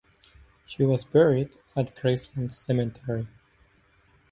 She was buried at Graceland Cemetery.